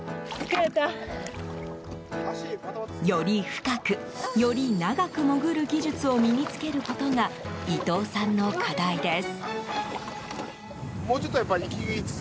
より深く、より長く潜る技術を身に付けることが伊藤さんの課題です。